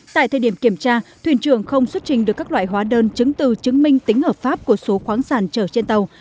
tại thời điểm kiểm tra thuyền trưởng không xuất trình được các loại hóa đơn chứng từ chứng minh tính hợp pháp của số khoáng sản chở trên tàu